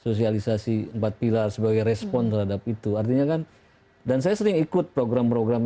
sosialisasi empat pilar sebagai respon terhadap itu artinya kan dan saya sering ikut program program